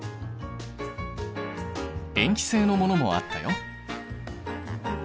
塩基性のものもあったよ。